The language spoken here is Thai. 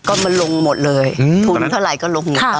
ก็มันลงหมดเลยทุนเท่าไหร่ก็ลง